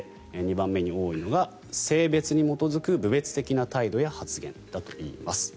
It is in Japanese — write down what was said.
２番目に多いのが性別に基づく侮蔑的な態度や発言だといいます。